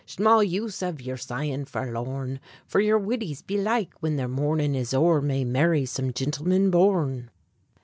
Shmall use av yer sighin' forlorn; For yer widdies, belike, whin their mournin' is o'er, May marry some gintleman born.